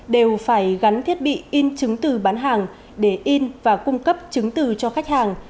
đều phải gắn thiết bị in chứng từ bán hàng để in và cung cấp chứng từ cho khách hàng